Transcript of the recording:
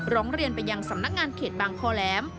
ร้องเรียนไปยังสำนักงานเขตบางคอแหลม